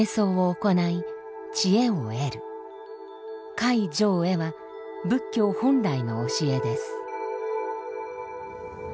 戒定慧は仏教本来の教えです。